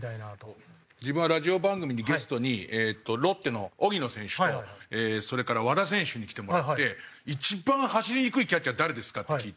自分はラジオ番組にゲストにロッテの荻野選手とそれから和田選手に来てもらって一番走りにくいキャッチャー誰ですか？って聞いて。